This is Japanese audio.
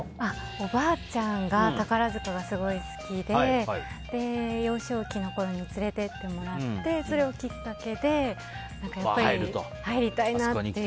おばあちゃんが宝塚がすごい好きで幼少期のころに連れて行ってもらってそれがきっかけで入りたいなっていう。